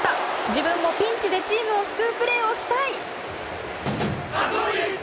自分もピンチでチームを救うプレーをしたい。